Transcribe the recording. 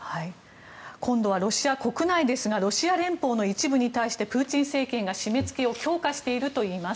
今度はロシア国内ですがロシア連邦の一部に対してプーチン政権が締め付けを強化しているといいます。